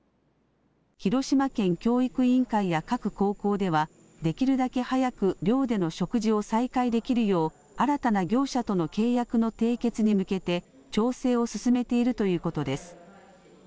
広島県教育委員会や各高校では、できるだけ早く寮での食事を再開できるよう新たな業者との契約の締結に向けて、調整を進めているということです。